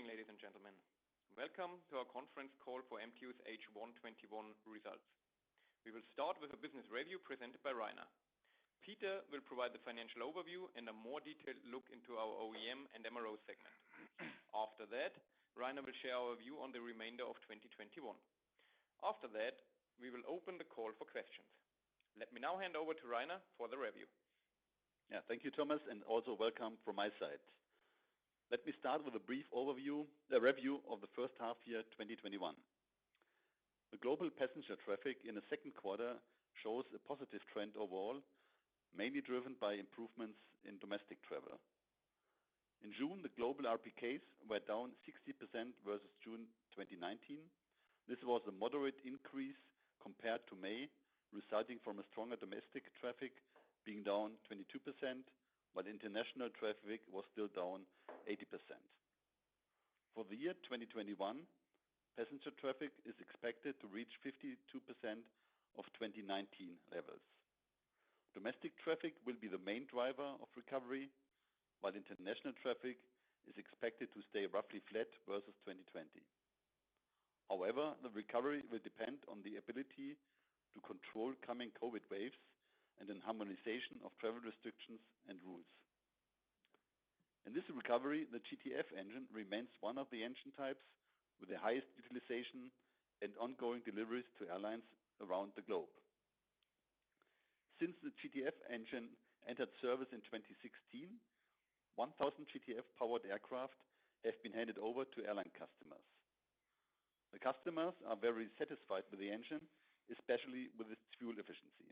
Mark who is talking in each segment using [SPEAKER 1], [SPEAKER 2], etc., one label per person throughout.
[SPEAKER 1] Morning, ladies and gentlemen. Welcome to our Conference Call for MTU's H1 2021 Results. We will start with a business review presented by Reiner. Peter will provide the financial overview and a more detailed look into our OEM and MRO segment. After that, Reiner will share our view on the remainder of 2021. After that, we will open the call for questions. Let me now hand over to Reiner for the review.
[SPEAKER 2] Yeah. Thank you, Thomas, and also welcome from my side. Let me start with a brief overview, the review of the first half year 2021. The global passenger traffic in the second quarter shows a positive trend overall, mainly driven by improvements in domestic travel. In June, the global RPKs were down 60% versus June 2019. This was a moderate increase compared to May, resulting from a stronger domestic traffic being down 22%, while international traffic was still down 80%. For the year 2021, passenger traffic is expected to reach 52% of 2019 levels. Domestic traffic will be the main driver of recovery, while international traffic is expected to stay roughly flat versus 2020. However, the recovery will depend on the ability to control coming COVID waves and in harmonization of travel restrictions and rules. In this recovery, the GTF engine remains one of the engine types with the highest utilization and ongoing deliveries to airlines around the globe. Since the GTF engine entered service in 2016, 1,000 GTF-powered aircraft have been handed over to airline customers. The customers are very satisfied with the engine, especially with its fuel efficiency.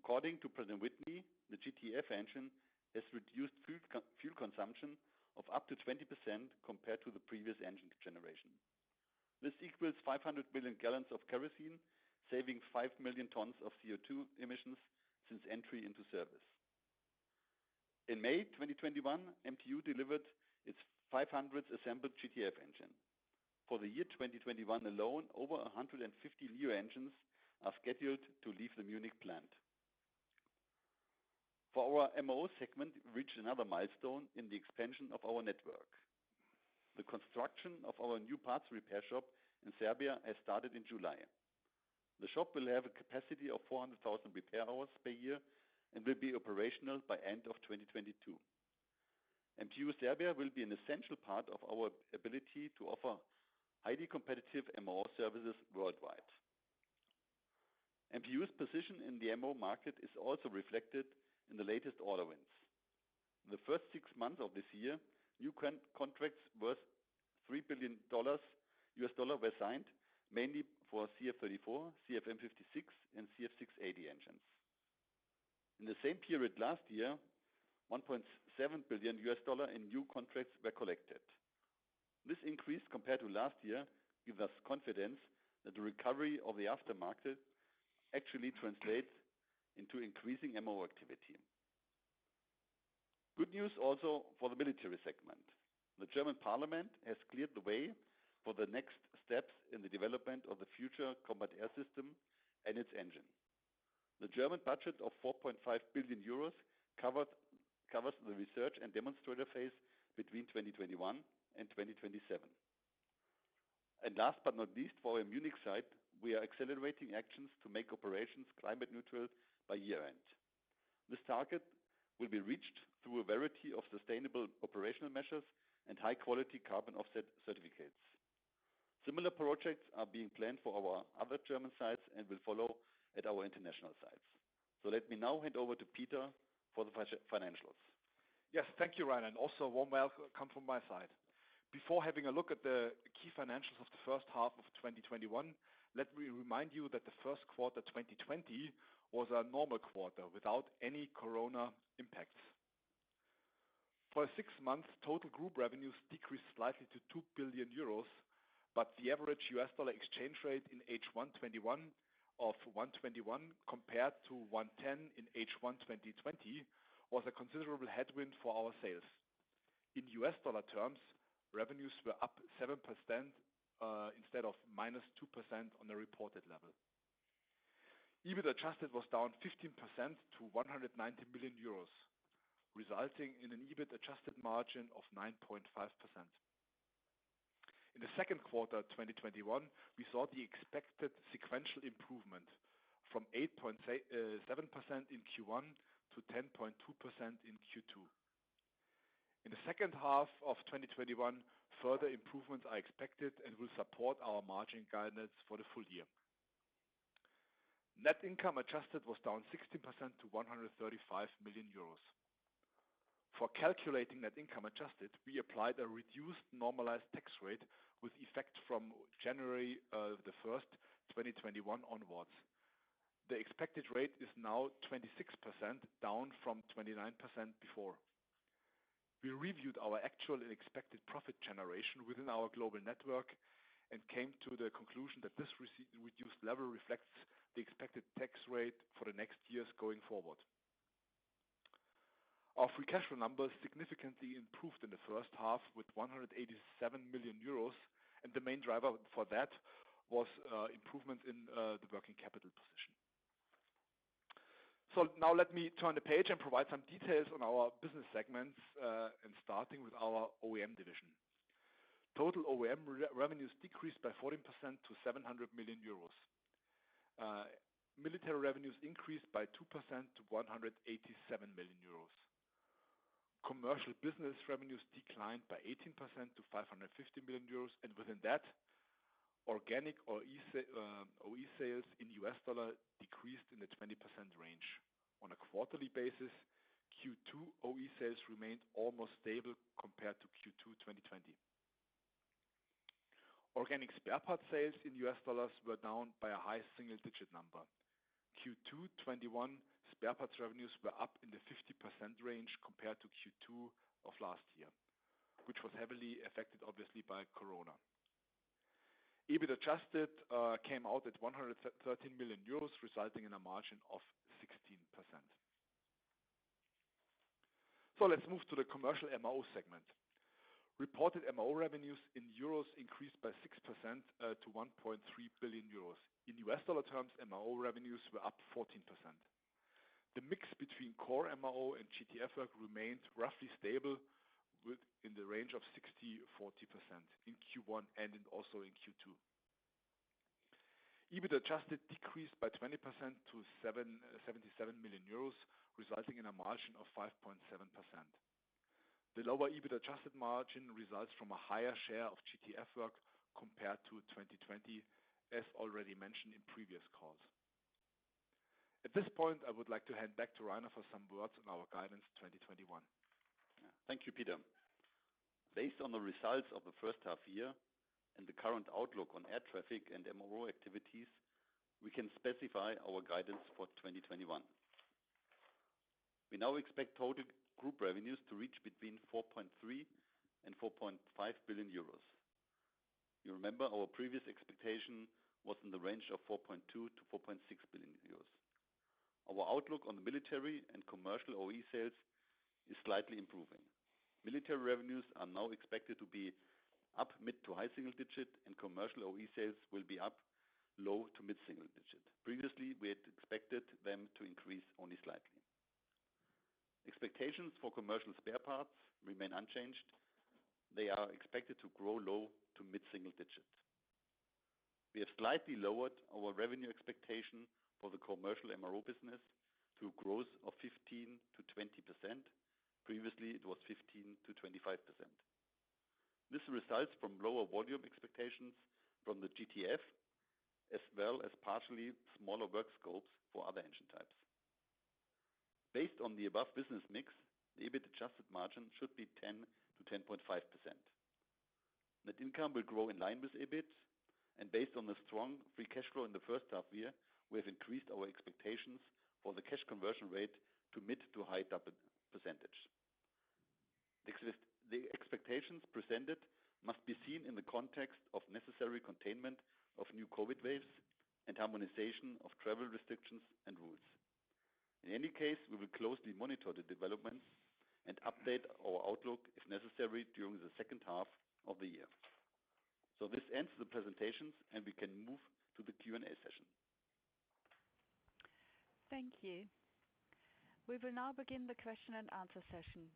[SPEAKER 2] According to Pratt & Whitney, the GTF engine has reduced fuel consumption of up to 20% compared to the previous engine generation. This equals 500 million gallons of kerosene, saving 5 million tons of CO2 emissions since entry into service. In May 2021, MTU delivered its 500th assembled GTF engine. For the year 2021 alone, over 150 new engines are scheduled to leave the Munich plant. For our MRO segment, we reached another milestone in the expansion of our network. The construction of our new parts repair shop in Serbia has started in July. The shop will have a capacity of 400,000 repair hours per year and will be operational by end of 2022. MTU Maintenance Serbia will be an essential part of our ability to offer highly competitive MRO services worldwide. MTU's position in the MRO market is also reflected in the latest order wins. In the first six months of this year, new contracts worth $3 billion were signed, mainly for CF34, CFM56, and CF6-80 engines. In the same period last year, $1.7 billion in new contracts were collected. This increase compared to last year gives us confidence that the recovery of the aftermarket actually translates into increasing MRO activity. Good news also for the military segment. The German parliament has cleared the way for the next steps in the development of the Future Combat Air System and its engine. The German budget of 4.5 billion euros covers the research and demonstrator phase between 2021 and 2027. Last but not least, for our Munich site, we are accelerating actions to make operations climate neutral by year-end. This target will be reached through a variety of sustainable operational measures and high-quality carbon offset certificates. Similar projects are being planned for our other German sites and will follow at our international sites. Let me now hand over to Peter for the financials.
[SPEAKER 3] Yes. Thank you, Reiner, and also a warm welcome from my side. Before having a look at the key financials of the first half of 2021, let me remind you that the first quarter 2020 was a normal quarter without any corona impacts. For six months, total group revenues decreased slightly to 2 billion euros, the average U.S. dollar exchange rate in H1 2021 of 121 compared to 110 in H1 2020 was a considerable headwind for our sales. In U.S. dollar terms, revenues were up 7%, instead of -2% on a reported level. EBIT adjusted was down 15% to 190 million euros, resulting in an EBIT adjusted margin of 9.5%. In the second quarter 2021, we saw the expected sequential improvement from 8.7% in Q1 to 10.2% in Q2. In the second half of 2021, further improvements are expected and will support our margin guidance for the full year. Net income adjusted was down 16% to 135 million euros. For calculating that income adjusted, we applied a reduced normalized tax rate with effect from January 1st, 2021 onwards. The expected rate is now 26%, down from 29% before. We reviewed our actual and expected profit generation within our global network and came to the conclusion that this reduced level reflects the expected tax rate for the next years going forward. Our free cash flow numbers significantly improved in the first half with 187 million euros, and the main driver for that was improvement in the working capital position. Now let me turn the page and provide some details on our business segments, starting with our OEM division. Total OEM revenues decreased by 14% to 700 million euros. Military revenues increased by 2% to 187 million euros. Commercial business revenues declined by 18% to 550 million euros, and within that, organic OE sales in U.S. dollar decreased in the 20% range. On a quarterly basis, Q2 OE sales remained almost stable compared to Q2 2020. Organic spare parts sales in U.S. dollars were down by a high single-digit number. Q2 2021 spare parts revenues were up in the 50% range compared to Q2 of last year, which was heavily affected, obviously, by COVID. EBIT adjusted came out at 113 million euros, resulting in a margin of 16%. Let's move to the commercial MRO segment. Reported MRO revenues in euros increased by 6% to 1.3 billion euros. In U.S. dollar terms, MRO revenues were up 14%. The mix between core MRO and GTF work remained roughly stable within the range of 60%-40% in Q1 and also in Q2. EBIT adjusted decreased by 20% to 77 million euros, resulting in a margin of 5.7%. The lower EBIT adjusted margin results from a higher share of GTF work compared to 2020, as already mentioned in previous calls. At this point, I would like to hand back to Reiner for some words on our guidance 2021.
[SPEAKER 2] Thank you, Peter. Based on the results of the first half year and the current outlook on air traffic and MRO activities, we can specify our guidance for 2021. We now expect total group revenues to reach between 4.3 billion and 4.5 billion euros. You remember our previous expectation was in the range of 4.2 billion-4.6 billion euros. Our outlook on the military and commercial OE sales is slightly improving. Military revenues are now expected to be up mid-to-high single digit, and commercial OE sales will be up low-to-mid single digit. Previously, we had expected them to increase only slightly. Expectations for commercial spare parts remain unchanged. They are expected to grow low-to-mid single digits. We have slightly lowered our revenue expectation for the commercial MRO business to growth of 15%-20%. Previously, it was 15%-25%. This results from lower volume expectations from the GTF, as well as partially smaller work scopes for other engine types. Based on the above business mix, the EBIT adjusted margin should be 10%-10.5%. Based on the strong free cash flow in the first half year, we have increased our expectations for the cash conversion rate to mid to high double percentage. The expectations presented must be seen in the context of necessary containment of new COVID waves and harmonization of travel restrictions and rules. In any case, we will closely monitor the developments and update our outlook if necessary during the second half of the year. This ends the presentations, and we can move to the Q&A session.
[SPEAKER 4] Thank you. We will now begin the question and answer session.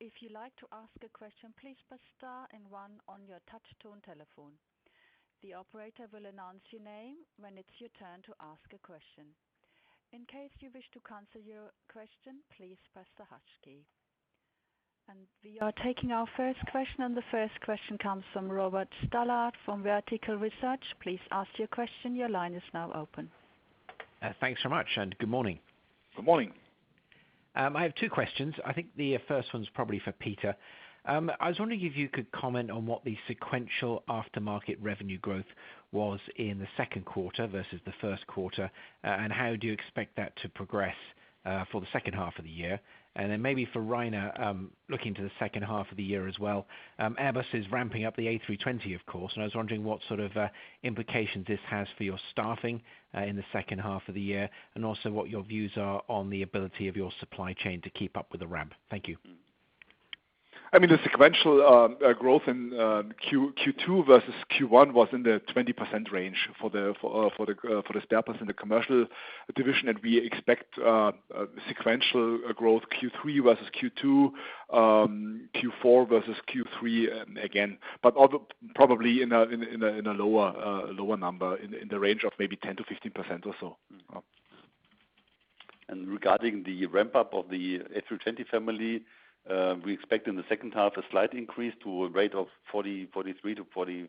[SPEAKER 4] If you'd like to ask a question, please press star and one on your touch-tone telephone. The operator will announce your name when it's your turn to ask a question. In case you wish to cancel your question, please press the hash key. We are taking our first question, and the first question comes from Robert Stallard from Vertical Research. Please ask your question. Your line is now open.
[SPEAKER 5] Thanks so much, and good morning.
[SPEAKER 2] Good morning.
[SPEAKER 5] I have two questions. I think the first one's probably for Peter. I was wondering if you could comment on what the sequential aftermarket revenue growth was in the second quarter versus the first quarter, and how do you expect that to progress for the second half of the year? Then maybe for Reiner, looking to the second half of the year as well. Airbus is ramping up the A320, of course, and I was wondering what sort of implications this has for your staffing in the second half of the year, and also what your views are on the ability of your supply chain to keep up with the ramp. Thank you.
[SPEAKER 3] I mean, the sequential growth in Q2 versus Q1 was in the 20% range for the stats in the commercial division. And we expect sequential growth Q3 versus Q2, Q4 versus Q3 again, but probably in a lower number, in the range of maybe 10%-15% or so.
[SPEAKER 2] Regarding the ramp-up of the A320 family, we expect in the second half a slight increase to a rate of 43-44,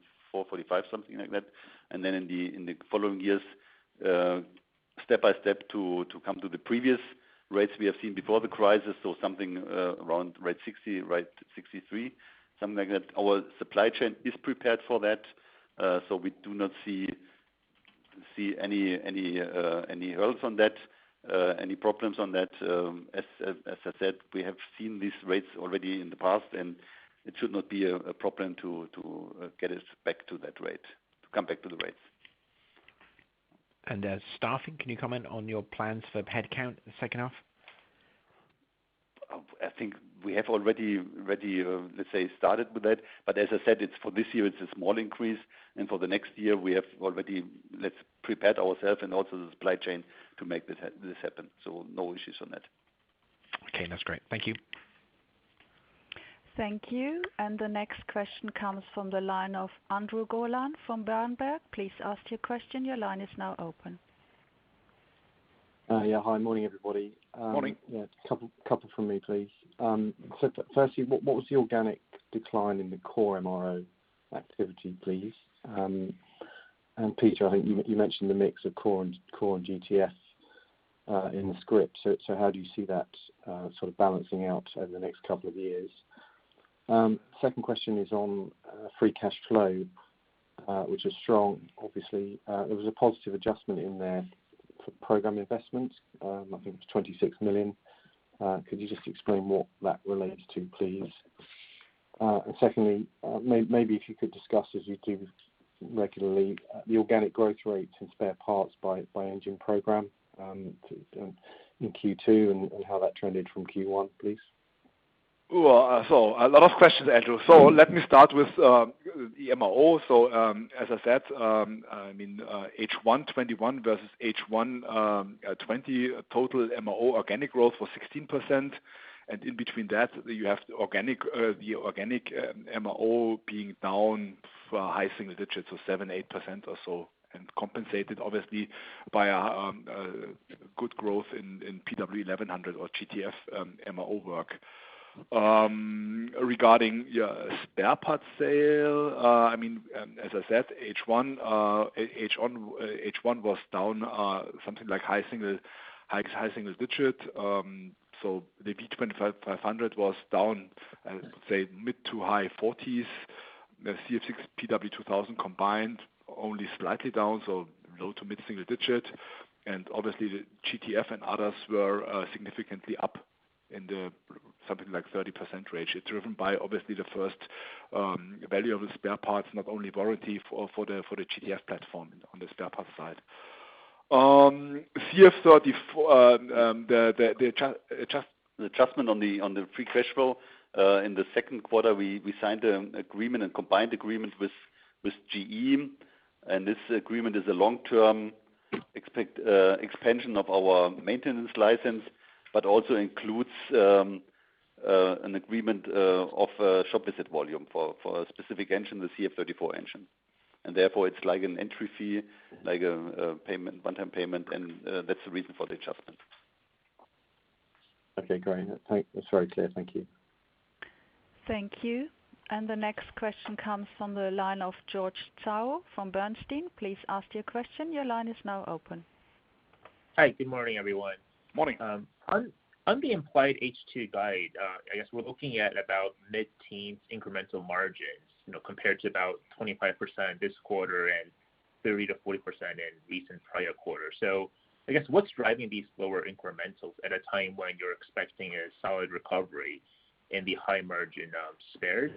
[SPEAKER 2] 45, something like that. In the following years, step-by-step to come to the previous rates we have seen before the crisis, so something around rate 60, rate 63, something like that. Our supply chain is prepared for that, so we do not see any holes on that, any problems on that. As I said, we have seen these rates already in the past, and it should not be a problem to get us back to that rate, to come back to the rates.
[SPEAKER 5] Staffing, can you comment on your plans for headcount the second half?
[SPEAKER 2] I think we have already, let's say, started with that. As I said, for this year, it's a small increase, and for the next year, we have already prepared ourselves and also the supply chain to make this happen. No issues on that.
[SPEAKER 5] Okay. That's great. Thank you.
[SPEAKER 4] Thank you. The next question comes from the line of Andrew Gollan from Berenberg. Please ask your question. Your line is now open.
[SPEAKER 6] Yeah. Hi. Morning, everybody.
[SPEAKER 2] Morning.
[SPEAKER 6] Yeah, couple from me, please. Firstly, what was the organic decline in the core MRO activity, please? Peter, I think you mentioned the mix of core and GTF in the script. How do you see that sort of balancing out over the next couple of years? Second question is on free cash flow, which is strong, obviously. There was a positive adjustment in there for program investments. I think it was 26 million. Could you just explain what that relates to, please? Secondly, maybe if you could discuss as you do regularly, the organic growth rate in spare parts by engine program in Q2 and how that trended from Q1, please.
[SPEAKER 3] A lot of questions, Andrew. Let me start with the MRO. As I said, I mean, H1 2021 versus H1 2020, total MRO organic growth was 16%. In between that, you have the organic MRO being down for high single digits, so 7%-8% or so, and compensated obviously by a good growth in PW1100 or GTF MRO work. Regarding spare parts sale, as I said, H1 was down something like high single digit. The V2500 was down, say mid-to-high 40s. The CF6/PW2000 combined only slightly down, so low to mid single digit. Obviously the GTF and others were significantly up in the something like 30% range. Driven by obviously the first value of the spare parts, not only warranty for the GTF platform on the spare parts side. The adjustment on the free cash flow. In the second quarter, we signed a combined agreement with GE, and this agreement is a long-term expansion of our maintenance license, but also includes an agreement of a shop visit volume for a specific engine, the CF34 engine. Therefore, it's like an entry fee, like a one-time payment, and that's the reason for the adjustment.
[SPEAKER 6] Okay, great. That's very clear. Thank you.
[SPEAKER 4] Thank you. The next question comes from the line of George Zhao from Bernstein. Please ask your question. Your line is now open.
[SPEAKER 7] Hi. Good morning, everyone.
[SPEAKER 2] Morning.
[SPEAKER 7] On the implied H2 guide, I guess we're looking at about mid-teens incremental margins, compared to about 25% this quarter and 30%-40% in recent prior quarters. I guess what's driving these lower incremental at a time when you're expecting a solid recovery in the high margin of spares?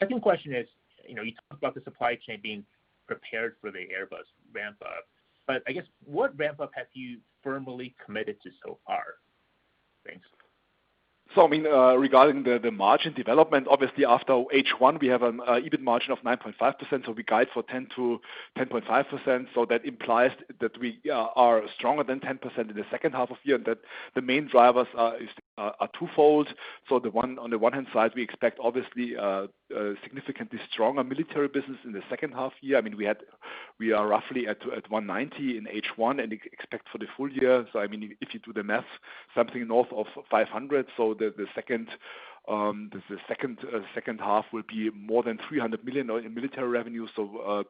[SPEAKER 7] Second question is, you talked about the supply chain being prepared for the Airbus ramp-up, but I guess what ramp-up have you firmly committed to so far? Thanks.
[SPEAKER 3] Regarding the margin development, obviously after H1, we have an EBIT margin of 9.5%. We guide for 10%-10.5%. That implies that we are stronger than 10% in the second half of the year, and that the main drivers are twofold. On the one-hand side, we expect obviously a significantly stronger military business in the second half year. We are roughly at 190 in H1 and expect for the full year. If you do the math, something north of 500. The second half will be more than 300 million in military revenue.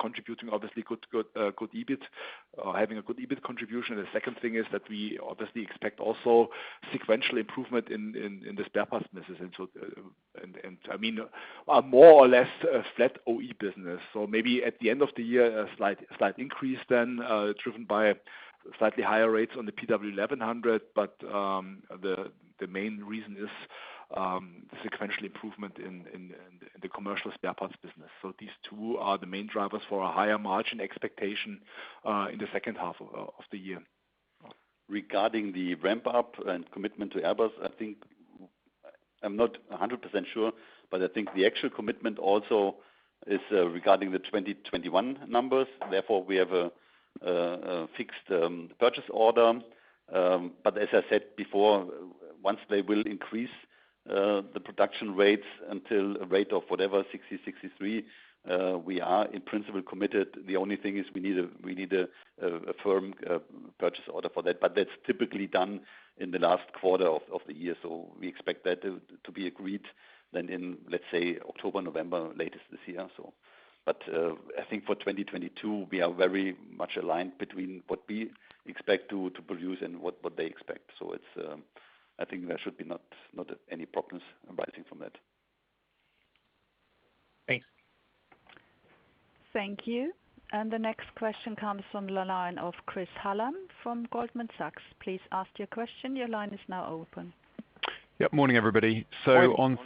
[SPEAKER 3] Contributing obviously good EBIT, having a good EBIT contribution. The second thing is that we obviously expect also sequential improvement in the spare parts business. More or less a flat OE business. Maybe at the end of the year, a slight increase then, driven by slightly higher rates on the PW1100. The main reason is the sequential improvement in the commercial spare parts business. These two are the main drivers for a higher margin expectation in the second half of the year.
[SPEAKER 2] Regarding the ramp up and commitment to Airbus, I think I'm not 100% sure, but I think the actual commitment also is regarding the 2021 numbers. Therefore, we have a fixed purchase order. As I said before, once they will increase the production rates until a rate of whatever, 60, 63, we are in principle committed. The only thing is we need a firm purchase order for that. That's typically done in the last quarter of the year. We expect that to be agreed then in, let's say October, November latest this year. I think for 2022, we are very much aligned between what we expect to produce and what they expect. I think there should be not any problems arising from that.
[SPEAKER 7] Thanks.
[SPEAKER 4] Thank you. The next question comes from the line of Chris Hallam from Goldman Sachs. Please ask your question. Your line is now open.
[SPEAKER 8] Yep. Morning, everybody.
[SPEAKER 2] Morning.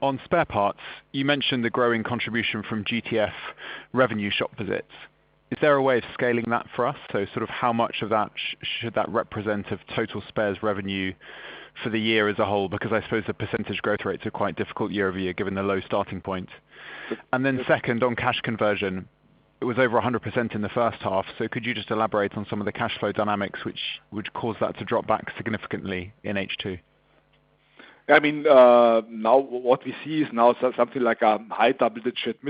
[SPEAKER 8] On spare parts, you mentioned the growing contribution from GTF revenue shop visits. Is there a way of scaling that for us? How much of that should that represent of total spares revenue for the year as a whole? Because I suppose the percentage growth rates are quite difficult year-over-year, given the low starting point. Then second, on cash conversion, it was over 100% in the first half, so could you just elaborate on some of the cash flow dynamics which would cause that to drop back significantly in H2?
[SPEAKER 3] What we see is now something like a mid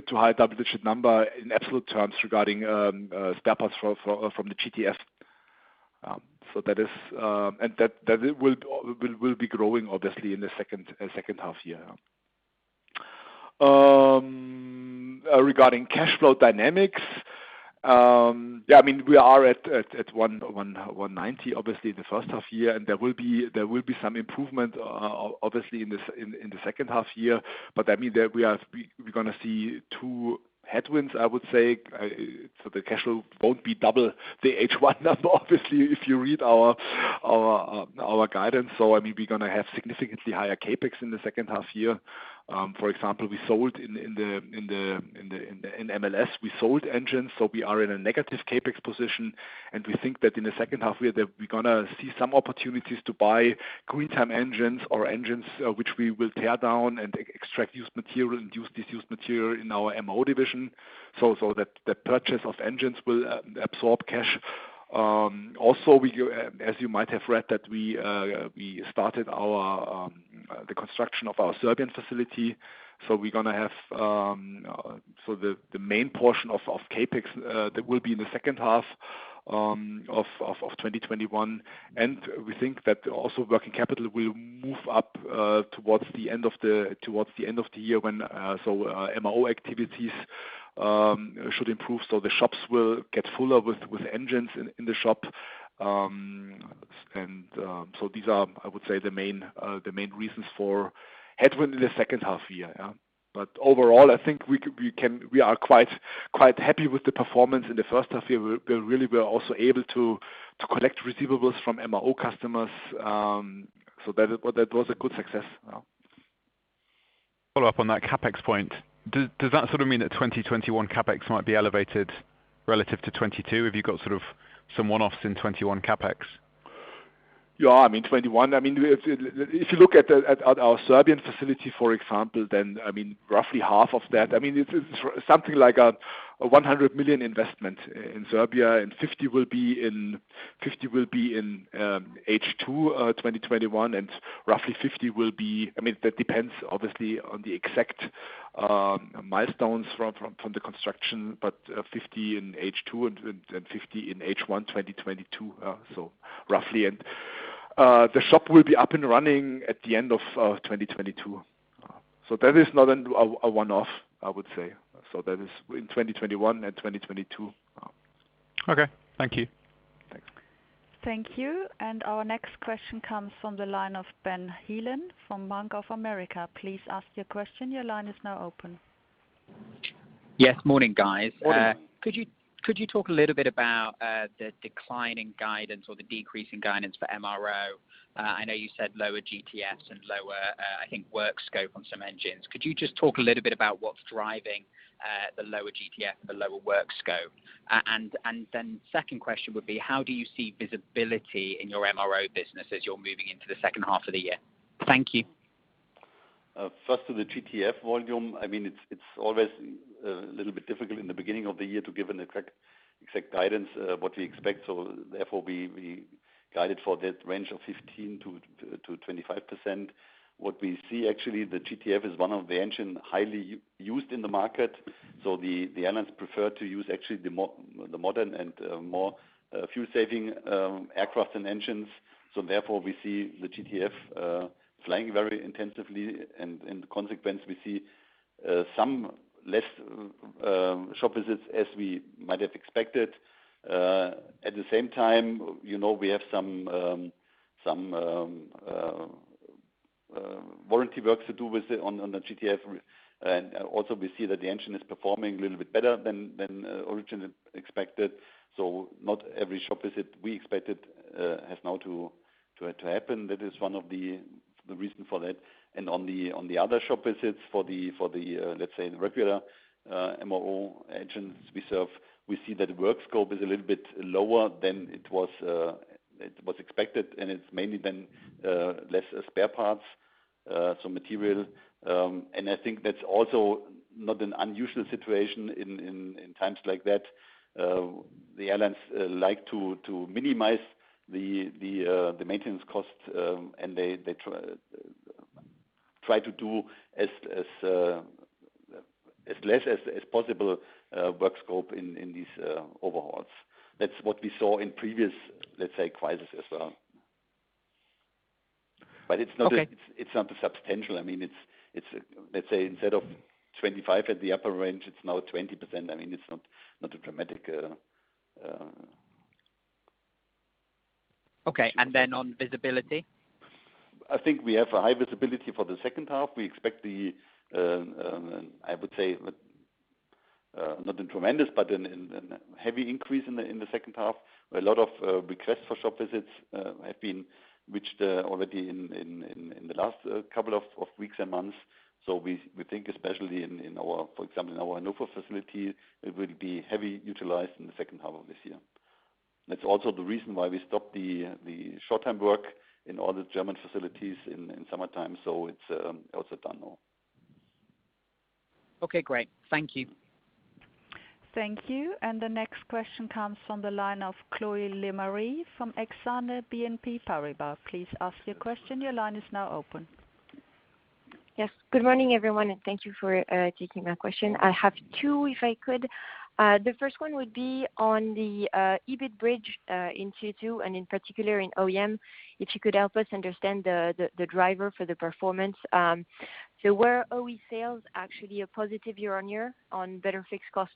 [SPEAKER 3] to high double-digit number in absolute terms regarding spare parts from the GTF. That will be growing, obviously, in the second half year. Regarding cash flow dynamics, we are at 190, obviously, the first half year, and there will be some improvement, obviously, in the second half year. We are going to see two headwinds, I would say. The cash flow won't be double the H1 number, obviously, if you read our guidance. We are going to have significantly higher CapEx in the second half year. For example, in MLS, we sold engines, so we are in a negative CapEx position, and we think that in the second half year that we're going to see some opportunities to buy green time engines or engines which we will tear down and extract used material and use this used material in our MRO division. The purchase of engines will absorb cash. Also, as you might have read, that we started the construction of our Serbian facility. The main portion of CapEx that will be in the second half of 2021. We think that also working capital will move up towards the end of the year when MRO activities should improve. The shops will get fuller with engines in the shop. These are, I would say, the main reasons for headwind in the second half year. Overall, I think we are quite happy with the performance in the first half year. We are also able to collect receivables from MRO customers. That was a good success.
[SPEAKER 8] Follow up on that CapEx point. Does that mean that 2021 CapEx might be elevated relative to 2022? Have you got some one-offs in 2021 CapEx?
[SPEAKER 3] If you look at our Serbian facility, for example, roughly half of that. It's something like a 100 million investment in Serbia. 50 will be in H2 2021. Roughly 50 will be, that depends obviously on the exact milestones from the construction, but 50 in H2 and 50 in H1 2022, roughly. The shop will be up and running at the end of 2022. That is not a one-off, I would say. That is in 2021 and 2022.
[SPEAKER 8] Okay. Thank you.
[SPEAKER 3] Thanks.
[SPEAKER 4] Thank you. Our next question comes from the line of Ben Heelan from Bank of America. Please ask your question. Your line is now open
[SPEAKER 9] Yes. Morning, guys.
[SPEAKER 3] Morning.
[SPEAKER 9] Could you talk a little bit about the decline in guidance or the decrease in guidance for MRO? I know you said lower GTFs and lower, I think, work scope on some engines. Could you just talk a little bit about what's driving the lower GTF and the lower work scope? Then second question would be, how do you see visibility in your MRO business as you're moving into the second half of the year? Thank you.
[SPEAKER 2] First to the GTF volume, it's always a little bit difficult in the beginning of the year to give an exact guidance, what we expect. Therefore, we guided for that range of 15%-25%. What we see, actually, the GTF is one of the engines highly used in the market. The airlines prefer to use actually the modern and more fuel-saving aircraft and engines. Therefore, we see the GTF flying very intensively and in consequence, we see some less shop visits as we might have expected. At the same time, we have some warranty work to do on the GTF. Also, we see that the engine is performing a little bit better than originally expected. Not every shop visit we expected has now to happen. That is one of the reasons for that. On the other shop visits for the, let's say, the regular MRO engines we serve, we see that the work scope is a little bit lower than it was expected, and it's mainly then less spare parts, so material. I think that's also not an unusual situation in times like that. The airlines like to minimize the maintenance cost, and they try to do as less as possible work scope in these overhauls. That's what we saw in previous, let's say, crises as well.
[SPEAKER 9] Okay
[SPEAKER 2] It's substantial. Let's say instead of 25% at the upper range, it's now 20%. It's not dramatic.
[SPEAKER 9] Okay, on visibility?
[SPEAKER 2] I think we have a high visibility for the second half. We expect not a tremendous, but a heavy increase in the second half, where a lot of requests for shop visits have been received already. In the last couple of weeks and months. We think, especially for example, in our Hanover facility, it will be heavy utilized in the second half of this year. That's also the reason why we stopped the short-term work in all the German facilities in summertime. It's also done now.
[SPEAKER 9] Okay, great. Thank you.
[SPEAKER 4] Thank you. The next question comes from the line of Chloé Lemarié from Exane BNP Paribas. Please ask your question. Your line is now open.
[SPEAKER 10] Yes. Good morning, everyone, thank you for taking my question. I have two, if I could. The first one would be on the EBIT bridge in Q2, and in particular in OEM, if you could help us understand the driver for the performance. Were OE sales actually a positive year-on-year on better fixed cost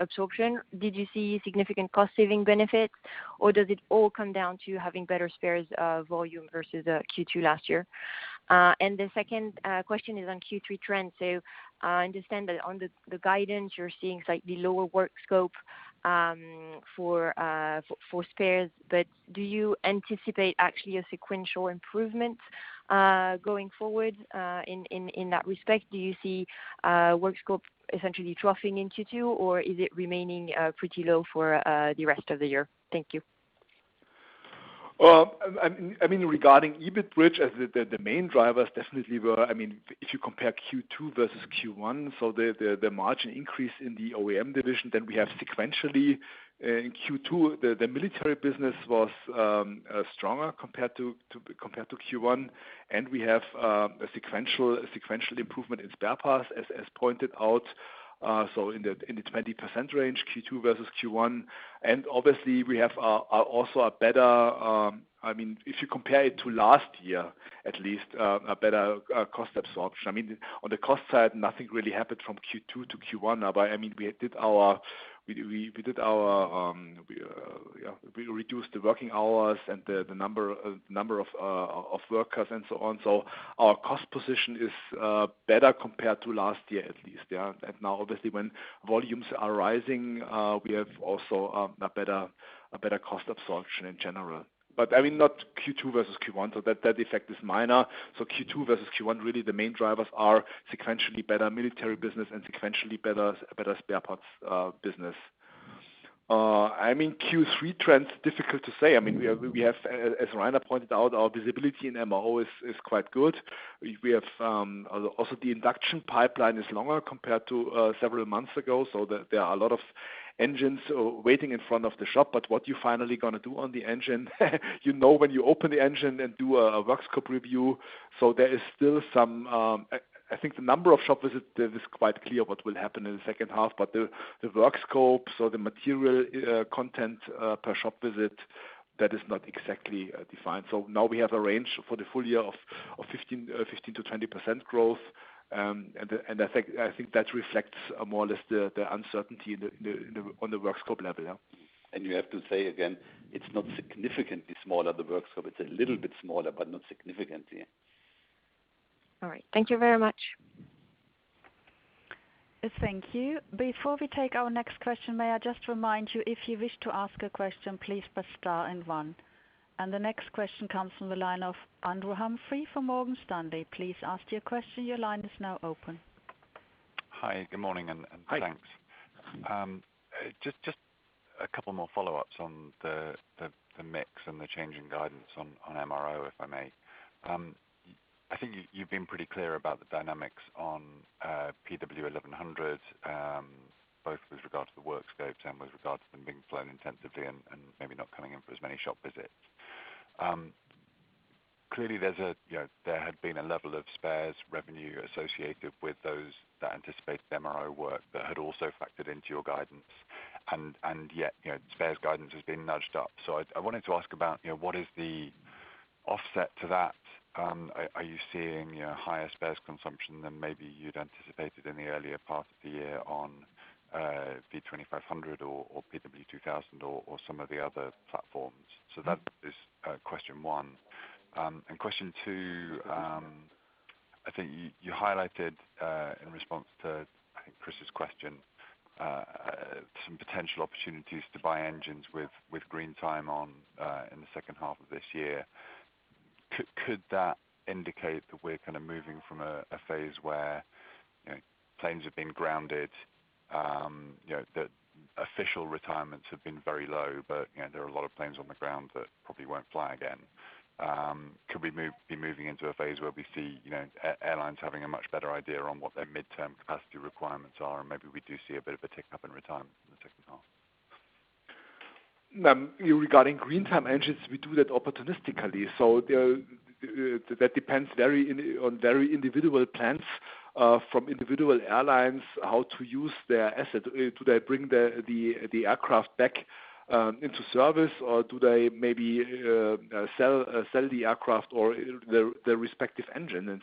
[SPEAKER 10] absorption? Did you see significant cost-saving benefits, or does it all come down to having better spares volume versus Q2 last year? The second question is on Q3 trends. I understand that on the guidance, you're seeing slightly lower work scope for spares, but do you anticipate actually a sequential improvement going forward in that respect? Do you see work scope essentially troughing in Q2, or is it remaining pretty low for the rest of the year? Thank you.
[SPEAKER 3] Regarding EBIT bridge, the main drivers definitely were, if you compare Q2 versus Q1, so the margin increase in the OEM division, then we have sequentially in Q2, the military business was stronger compared to Q1, and we have a sequential improvement in spare parts as pointed out, so in the 20% range, Q2 versus Q1. Obviously we have also, if you compare it to last year, at least, a better cost absorption. On the cost side, nothing really happened from Q2 to Q1 now. We reduced the working hours and the number of workers and so on. Our cost position is better compared to last year, at least. Yeah. Now obviously when volumes are rising, we have also a better cost absorption in general. Not Q2 versus Q1, so that effect is minor. Q2 versus Q1, really the main drivers are sequentially better military business and sequentially better spare parts business. Q3 trends, difficult to say. We have, as Reiner pointed out, our visibility in MRO is quite good. Also the induction pipeline is longer compared to several months ago. There are a lot of engines waiting in front of the shop. What you're finally going to do on the engine, you know when you open the engine and do a work scope review. I think the number of shop visits, it is quite clear what will happen in the second half, but the work scopes or the material content per shop visit, that is not exactly defined. Now we have a range for the full year of 15%-20% growth. I think that reflects more or less the uncertainty on the work scope level.
[SPEAKER 2] You have to say again, it's not significantly smaller, the work scope. It's a little bit smaller, but not significantly.
[SPEAKER 10] All right. Thank you very much.
[SPEAKER 4] Thank you. Before we take our next question, may I just remind you, if you wish to ask a question, please press star and one. The next question comes from the line of Andrew Humphrey from Morgan Stanley. Please ask your question. Your line is now open.
[SPEAKER 11] Hi, good morning and thanks.
[SPEAKER 3] Hi.
[SPEAKER 11] Just a couple more follow-ups on the mix and the change in guidance on MRO, if I may. I think you've been pretty clear about the dynamics on PW1100, both with regard to the work scope and with regard to them being flown intensively and maybe not coming in for as many shop visits. Clearly there had been a level of spares revenue associated with those that anticipate the MRO work that had also factored into your guidance, and yet spares guidance has been nudged up. I wanted to ask about, what is the offset to that? Are you seeing higher spares consumption than maybe you'd anticipated in the earlier part of the year on V2500 or PW2000 or some of the other platforms? That is question one. Question two, I think you highlighted, in response to, I think, Chris's question, some potential opportunities to buy engines with green time on in the second half of this year. Could that indicate that we're kind of moving from a phase where planes have been grounded, that official retirements have been very low, but there are a lot of planes on the ground that probably won't fly again? Could we be moving into a phase where we see airlines having a much better idea on what their midterm capacity requirements are, and maybe we do see a bit of a tick up in retirement in the second half?
[SPEAKER 3] Regarding green time engines, we do that opportunistically. That depends on very individual plans from individual airlines, how to use their asset. Do they bring the aircraft back into service, or do they maybe sell the aircraft or their respective engine?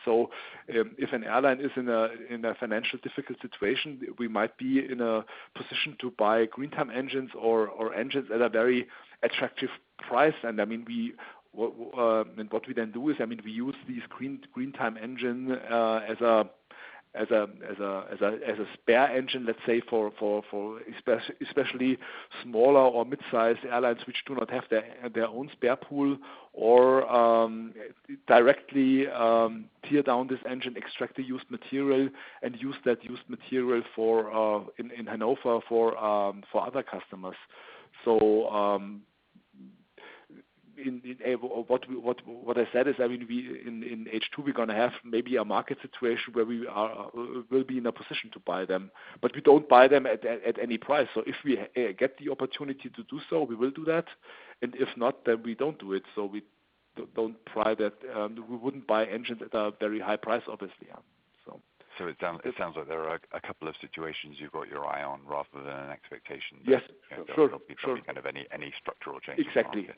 [SPEAKER 3] If an airline is in a financially difficult situation, we might be in a position to buy green time engines or engines at a very attractive price. What we then do is, we use these green time engine as a spare engine, let's say, for especially smaller or mid-size airlines which do not have their own spare pool, or directly tear down this engine, extract the used material, and use that used material in Hanover for other customers. What I said is, in H2, we're going to have maybe a market situation where we will be in a position to buy them. We don't buy them at any price. If we get the opportunity to do so, we will do that. If not, then we don't do it. We wouldn't buy engines at a very high price, obviously.
[SPEAKER 11] It sounds like there are a couple of situations you've got your eye on rather than an expectation.
[SPEAKER 3] Yes. Sure
[SPEAKER 11] there will be probably any structural changes.
[SPEAKER 3] Exactly.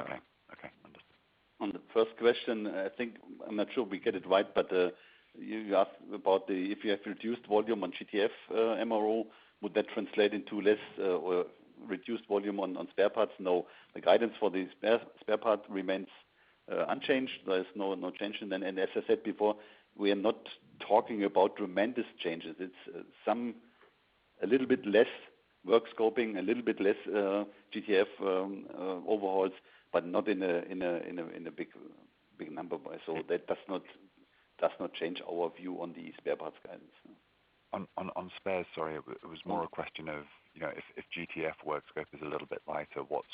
[SPEAKER 11] Okay. Understood.
[SPEAKER 2] On the first question, I'm not sure we get it right, you asked about if you have reduced volume on GTF MRO, would that translate into less or reduced volume on spare parts? No. The guidance for the spare part remains unchanged. There is no change. As I said before, we are not talking about tremendous changes. It's a little bit less work scoping, a little bit less GTF overhauls, but not in a big number. That does not change our view on the spare parts guidance.
[SPEAKER 11] On spares, sorry, it was more a question of, if GTF work scope is a little bit lighter, what's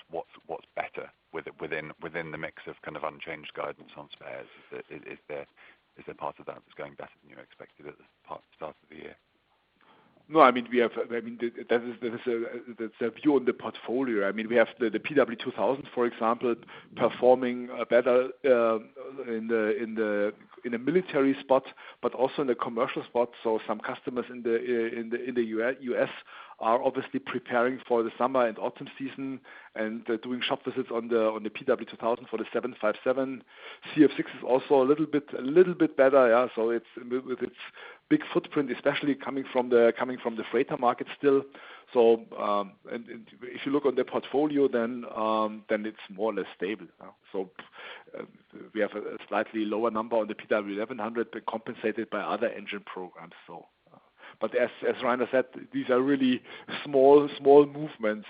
[SPEAKER 11] better within the mix of kind of unchanged guidance on spares? Is there parts of that that's going better than you expected at the start of the year?
[SPEAKER 3] That's a view on the portfolio. We have the PW2000, for example, performing better in the military spot, but also in the commercial spot. Some customers in the U.S. are obviously preparing for the summer and autumn season, and doing shop visits on the PW2000 for the 757. CF6 is also a little bit better. It's big footprint, especially coming from the freighter market still. If you look on the portfolio, then it's more or less stable. We have a slightly lower number on the PW1100, but compensated by other engine programs. As Reiner said, these are really small movements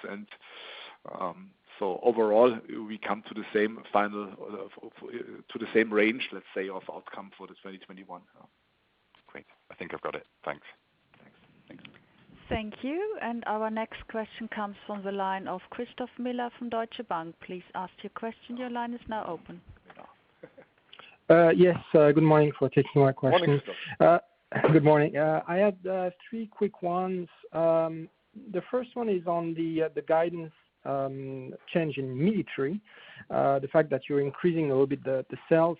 [SPEAKER 3] overall, we come to the same range, let's say, of outcome for the 2021.
[SPEAKER 11] Great. I think I've got it. Thanks.
[SPEAKER 3] Thanks.
[SPEAKER 11] Thanks.
[SPEAKER 4] Thank you. Our next question comes from the line of Christoph Menard from Deutsche Bank. Please ask your question. Your line is now open.
[SPEAKER 12] Yes. Good morning. For taking my question.
[SPEAKER 3] Morning, Christoph.
[SPEAKER 12] Good morning. I have three quick ones. The first one is on the guidance change in military. The fact that you're increasing a little bit the sales.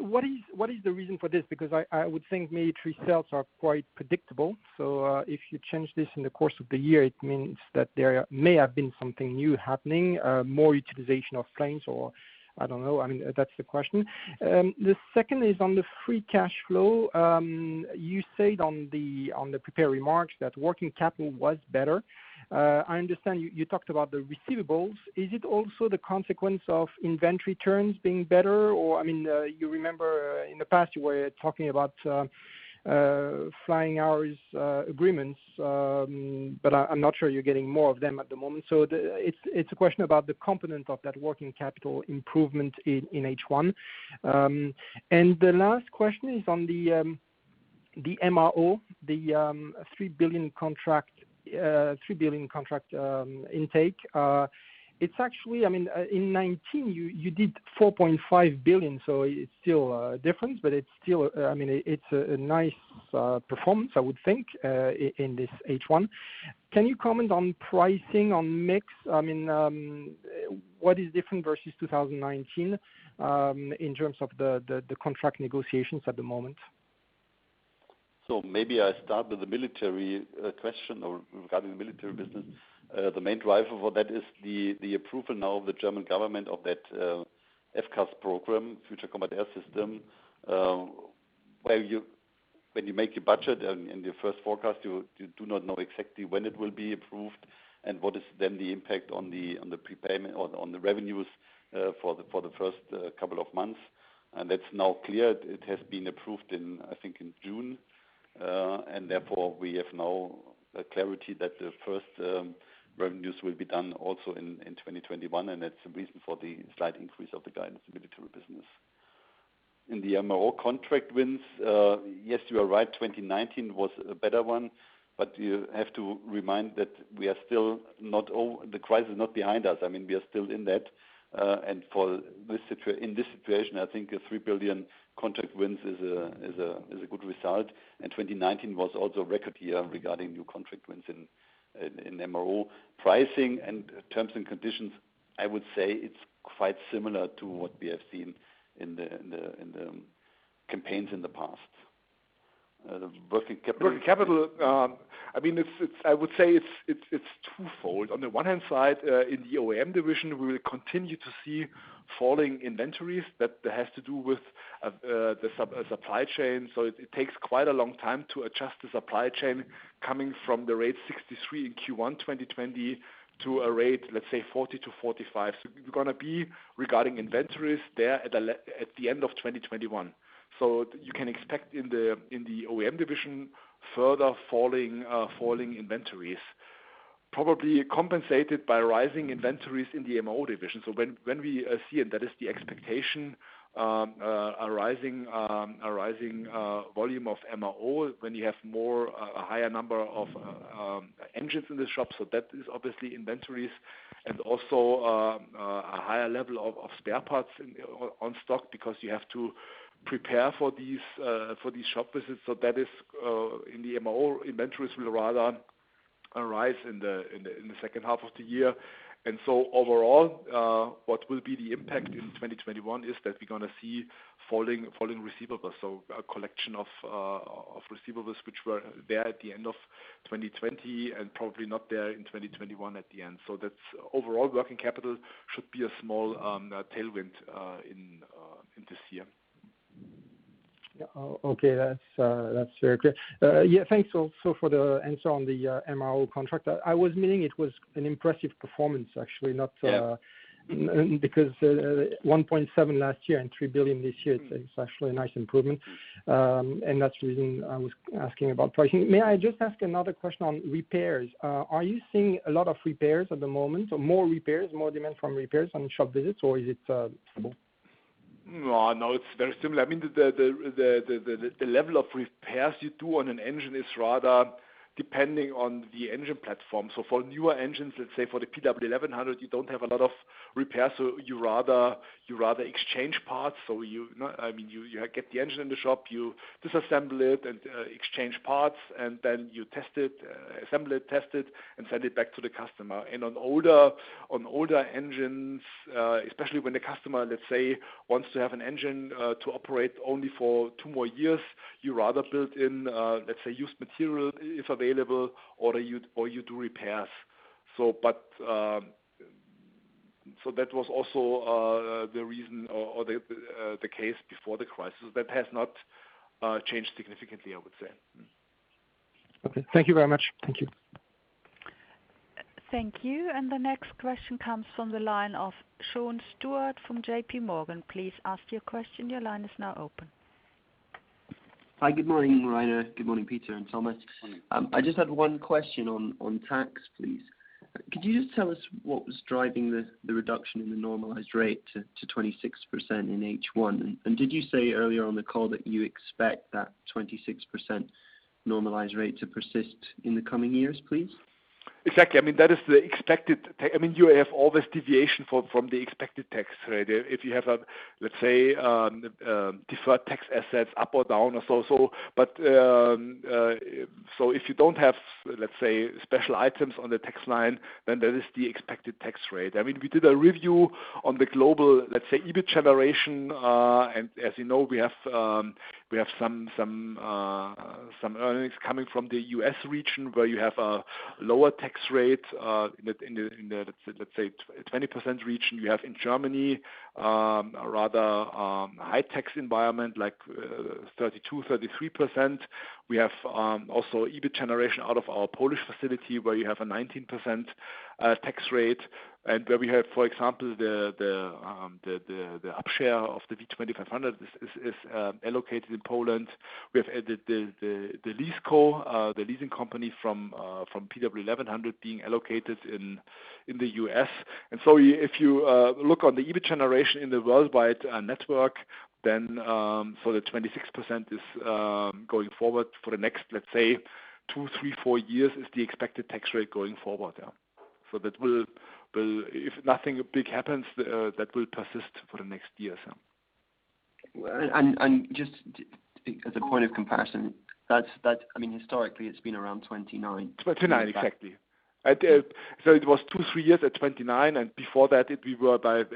[SPEAKER 12] What is the reason for this? I would think military sales are quite predictable. If you change this in the course of the year, it means that there may have been something new happening, more utilization of planes or I don't know. That's the question. The second is on the free cash flow. You said on the prepared remarks that working capital was better. I understand you talked about the receivables. Is it also the consequence of inventory turns being better? You remember in the past you were talking about flying hours agreements, but I'm not sure you're getting more of them at the moment. It's a question about the component of that working capital improvement in H1. The last question is on the MRO, the 3 billion contract intake. It's actually, in 2019 you did 4.5 billion, so it's still a difference, but it's a nice performance, I would think, in this H1. Can you comment on pricing on mix? What is different versus 2019, in terms of the contract negotiations at the moment?
[SPEAKER 2] Maybe I start with the military question or regarding the military business. The main driver for that is the approval now of the German government of that FCAS program, Future Combat Air System. When you make your budget in your first forecast, you do not know exactly when it will be approved and what is then the impact on the revenues for the first couple of months. That's now clear. It has been approved, I think, in June. Therefore we have now a clarity that the first revenues will be done also in 2021, and that's the reason for the slight increase of the guidance of the military business. In the MRO contract wins, yes, you are right, 2019 was a better one, but you have to remind that the crisis is not behind us. We are still in that. In this situation, I think a 3 billion contract wins is a good result. 2019 was also a record year regarding new contract wins in MRO. Pricing and terms and conditions, I would say it's quite similar to what we have seen in the campaigns in the past.
[SPEAKER 3] Working capital, I would say it's twofold. On the one hand side, in the OEM division, we will continue to see falling inventories that has to do with the supply chain. It takes quite a long time to adjust the supply chain coming from the rate 63 in Q1 2020 to a rate, let's say 40-45. We're going to be regarding inventories there at the end of 2021. You can expect in the OEM division, further falling inventories. Probably compensated by rising inventories in the MRO division. When we see, and that is the expectation, a rising volume of MRO when you have a higher number of engines in the shop, so that is obviously inventories and also a higher level of spare parts on stock because you have to prepare for these shop visits. That is in the MRO inventories will rather arise in the second half of the year. Overall, what will be the impact in 2021 is that we're going to see falling receivables. A collection of receivables, which were there at the end of 2020 and probably not there in 2021 at the end. That's overall working capital should be a small tailwind in this year.
[SPEAKER 12] Yeah. Okay. That's very clear. Yeah, thanks also for the answer on the MRO contract. I was meaning it was an impressive performance, actually.
[SPEAKER 3] Yeah
[SPEAKER 12] Not because 1.7 last year and 3 billion this year, it's actually a nice improvement. That's the reason I was asking about pricing. May I just ask another question on repairs? Are you seeing a lot of repairs at the moment? More repairs, more demand from repairs on shop visits, or is it stable?
[SPEAKER 3] No, it's very similar. The level of repairs you do on an engine is rather depending on the engine platform. For newer engines, let's say for the PW1100, you don't have a lot of repairs, so you rather exchange parts. You get the engine in the shop, you disassemble it and exchange parts, and then you assemble it, test it, and send it back to the customer. On older engines, especially when the customer, let's say, wants to have an engine to operate only for two more years, you rather build in let's say, used material, if available, or you do repairs. That was also the reason or the case before the crisis. That has not changed significantly, I would say.
[SPEAKER 12] Okay. Thank you very much. Thank you.
[SPEAKER 4] Thank you. The next question comes from the line of Sean Stewart from JPMorgan. Please ask your question. Your line is now open.
[SPEAKER 13] Hi. Good morning, Reiner. Good morning, Peter and Thomas.
[SPEAKER 3] Hi.
[SPEAKER 13] I just had one question on tax, please. Could you just tell us what was driving the reduction in the normalized rate to 26% in H1? Did you say earlier on the call that you expect that 26% normalized rate to persist in the coming years, please?
[SPEAKER 3] Exactly. You have always deviation from the expected tax rate. If you have, let's say, deferred tax assets up or down. If you don't have, let's say, special items on the tax line, then that is the expected tax rate. We did a review on the global, let's say, EBIT generation. As you know, we have some earnings coming from the U.S. region where you have a lower tax rate, in the, let's say, 20% region. You have in Germany, a rather high tax environment, like 32%, 33%. We have also EBIT generation out of our Polish facility where you have a 19% tax rate and where we have, for example, the up share of the V2500 is allocated in Poland. We have the lease co, the leasing company from PW1100 being allocated in the U.S. If you look on the EBIT generation in the worldwide network, then, for the 26% is going forward for the next, let's say, two, three, four years is the expected tax rate going forward, yeah. If nothing big happens, that will persist for the next year or so.
[SPEAKER 13] Just as a point of comparison, historically it's been around 29%.
[SPEAKER 3] 29%, exactly. It was two, three years at 29%, and before that we were by at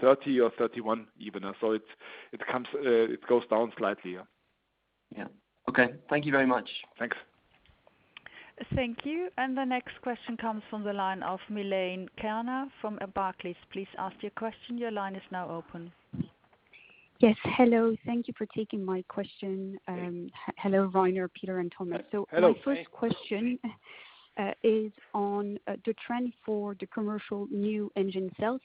[SPEAKER 3] 30% or 31% even. It goes down slightly, yeah.
[SPEAKER 13] Yeah. Okay. Thank you very much.
[SPEAKER 3] Thanks.
[SPEAKER 4] Thank you. The next question comes from the line of Milène Kerner from Barclays. Please ask your question. Your line is now open.
[SPEAKER 14] Yes. Hello. Thank you for taking my question.
[SPEAKER 3] Yeah.
[SPEAKER 14] Hello, Reiner, Peter, and Thomas.
[SPEAKER 3] Hello.
[SPEAKER 14] My first question is on the trend for the commercial new engine sales.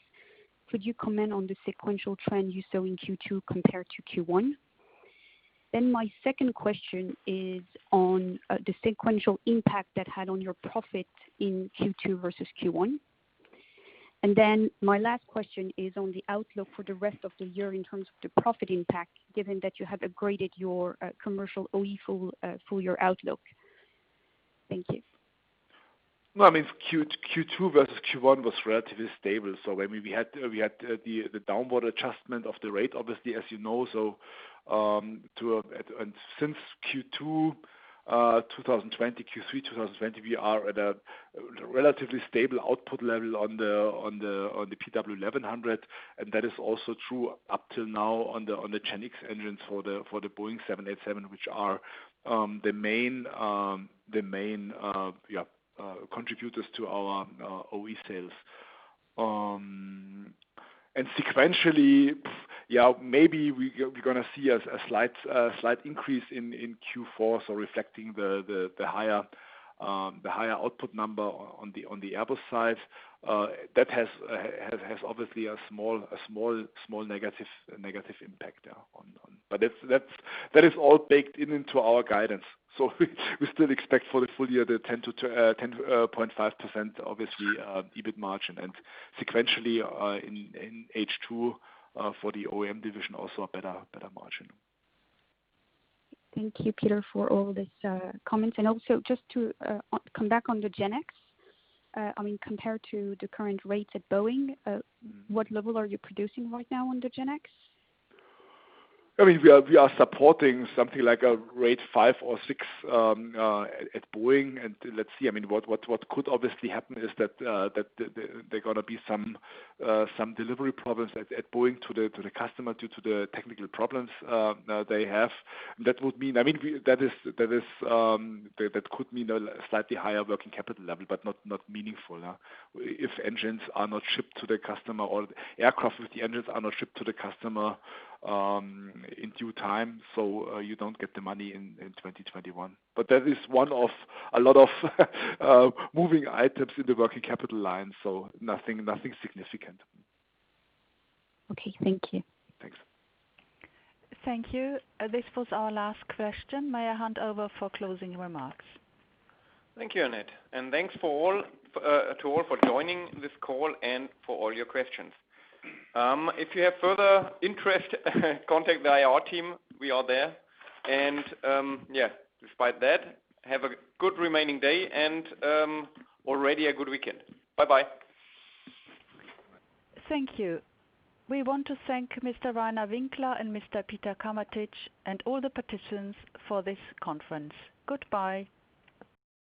[SPEAKER 14] Could you comment on the sequential trend you saw in Q2 compared to Q1? My second question is on the sequential impact that had on your profit in Q2 versus Q1. My last question is on the outlook for the rest of the year in terms of the profit impact, given that you have upgraded your commercial OE full-year outlook. Thank you.
[SPEAKER 3] Q2 versus Q1 was relatively stable. We had the downward adjustment of the rate, obviously, as you know. Since Q2 2020, Q3 2020, we are at a relatively stable output level on the PW11000. That is also true up till now on the GEnx engines for the Boeing 787, which are the main contributors to our OE sales. Sequentially, maybe we're going to see a slight increase in Q4, so reflecting the higher output number on the Airbus side. That has obviously a small negative impact there. That is all baked into our guidance. We still expect for the full year, the 10%-10.5%, obviously, EBIT margin and sequentially, in H2 for the OEM division, also a better margin.
[SPEAKER 14] Thank you, Peter, for all these comments. Also just to come back on the GEnx, compared to the current rates at Boeing, what level are you producing right now on the GEnx?
[SPEAKER 3] We are supporting something like a rate five or six at Boeing. Let's see. What could obviously happen is that there are going to be some delivery problems at Boeing to the customer due to the technical problems they have. That could mean a slightly higher working capital level, not meaningful. If engines are not shipped to the customer or aircraft with the engines are not shipped to the customer in due time, you don't get the money in 2021. That is one of a lot of moving items in the working capital line, nothing significant.
[SPEAKER 14] Okay. Thank you.
[SPEAKER 3] Thanks.
[SPEAKER 4] Thank you. This was our last question. May I hand over for closing remarks?
[SPEAKER 1] Thank you, Annette, thanks to all for joining this call and for all your questions. If you have further interest, contact the IR team, we are there. Yeah, despite that, have a good remaining day and already a good weekend. Bye-bye.
[SPEAKER 4] Thank you. We want to thank Mr. Reiner Winkler and Mr. Peter Kameritsch and all the participants for this conference. Goodbye.